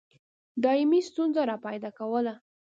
دایمي ستونزه را پیدا کوله.